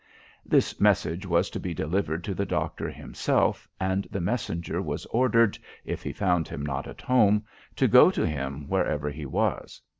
This message was to be delivered to the doctor himself, and the messenger was ordered, if he found him not at home, to go to him wherever he was.